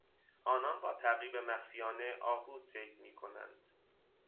آنان با تعقیب مخفیانه آهو صید میکنند.